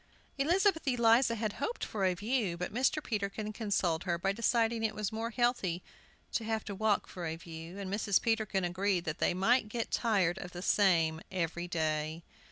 Elizabeth Eliza had hoped for a view; but Mr. Peterkin con soled her by deciding it was more healthy to have to walk for a view, and Mrs. Peterkin agreed that they might get tired of the same every day.